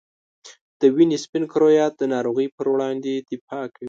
د وینې سپین کرویات د ناروغۍ په وړاندې دفاع کوي.